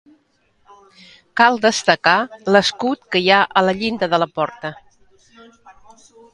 Cal destacar l'escut que hi ha a la llinda de la porta.